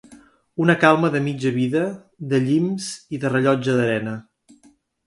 Una calma de mitja vida, de llims i de rellotge d'arena.